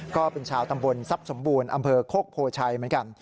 ก็เป็นชาวตำบลทรัพย์สมบูรณ์อำเภอโคกโพชัยเหมือนกัน